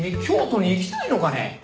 京都に行きたいのかね？